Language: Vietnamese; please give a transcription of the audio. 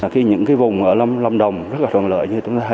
khi những vùng ở lâm đồng rất là thuận lợi